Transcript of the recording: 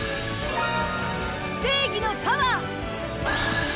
正義のパワー！